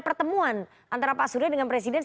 pertemuan antara pak surya dengan presiden